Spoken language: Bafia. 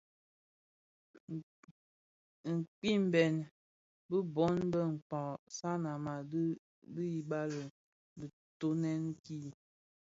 Kpimbèn bi bōn bë Mkpag. Sanam a dhi bi bali I kitoňèn ki.